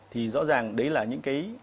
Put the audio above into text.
thì rõ ràng đấy là những cái